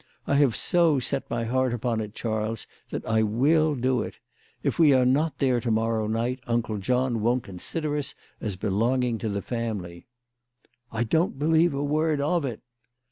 I have so set my heart upon it, Charles, that I will do it. If we are not there to morrow night Uncle John won't consider us as belonging to the family." " I don't believe a word of it."